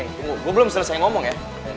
woy tunggu gue belum selesai ngomong ya